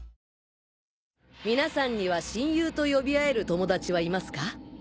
みなさんには親友と呼び合える友達はいますか？